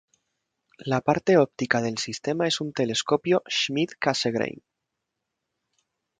La parte óptica del sistema es un telescopio Schmidt-Cassegrain.